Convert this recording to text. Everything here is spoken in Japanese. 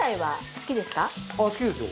好きですよ